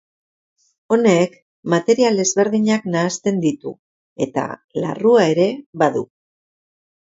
Honek material ezberdinak nahasten ditu eta larrua ere badu.